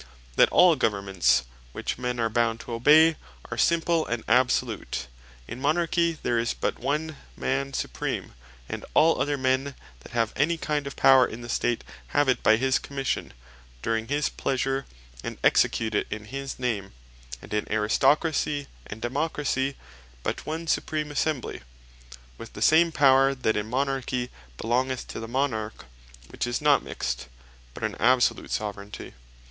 that all Governments which men are bound to obey, are Simple, and Absolute. In Monarchy there is but One Man Supreme; and all other men that have any kind of Power in the State, have it by his Commission, during his pleasure; and execute it in his name: And in Aristocracy, and Democracy, but One Supreme Assembly, with the same Power that in Monarchy belongeth to the Monarch, which is not a Mixt, but an Absolute Soveraignty.